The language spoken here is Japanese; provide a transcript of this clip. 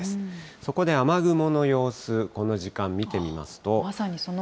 そこで雨雲の様子、この時間、見てみますと。